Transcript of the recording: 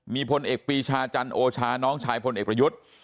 มีพลเอกปีชาจันโอชาน้องชายพลเอกประยุทธ์